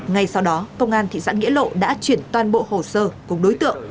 ngay sau đó công an thị xã nghĩa lộ đã chuyển toàn bộ hồ sơ cùng đối tượng